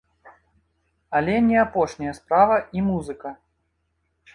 Але не апошняя справа і музыка.